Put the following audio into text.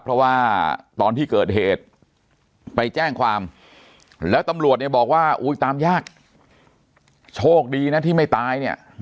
เพราะว่าตอนที่เกิดเหตุไปแจ้งความแล้วตำรวจเนี่ยบอกว่าอุ้ยตามยากโชคดีนะที่ไม่ตายเนี่ย